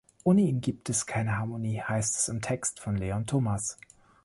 Ohne ihn gibt es keine Harmonie“, heißt es im Text von Leon Thomas.